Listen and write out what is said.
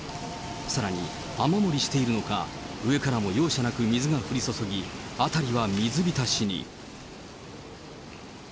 さらに、雨漏りしているのか、上からも容赦なく水が降り注ぎ、辺りは水浸しに。